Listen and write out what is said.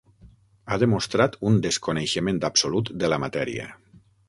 Ha demostrat un desconeixement absolut de la matèria.